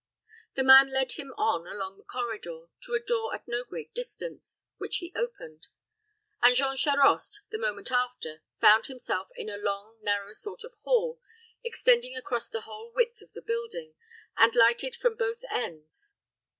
The man led him on along the corridor, to a door at no great distance, which he opened; and Jean Charost, the moment after, found himself in a long, narrow sort of hall, extending across the whole width of the building, and lighted from both ends.